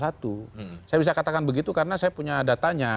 saya bisa katakan begitu karena saya punya datanya